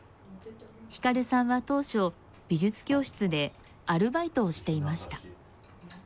ひかるさんは当初美術教室でアルバイトをしていました。